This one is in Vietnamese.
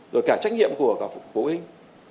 rồi cả trách nhiệm của phụ huynh